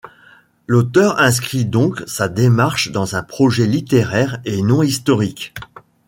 L’auteur inscrit donc sa démarche dans un projet littéraire et non historique.